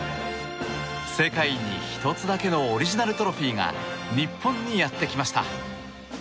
世界に１つだけのオリジナルトロフィーが日本にやってきました。